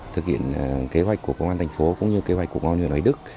thực hiện kế hoạch của công an thành phố cũng như kế hoạch của công an huyện hoài đức